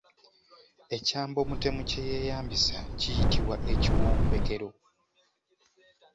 Ekyambe omutemu kye yeeyambisa kiyitibwa Ekiwombekero.